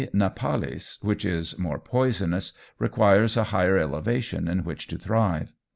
napellus_, which is more poisonous, requires a higher elevation in which to thrive.